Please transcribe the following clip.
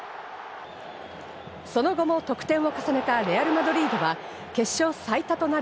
その後も得点を重ねたレアル・マドリードは決勝最多となる